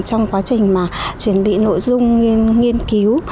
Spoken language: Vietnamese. trong quá trình chuẩn bị nội dung nghiên cứu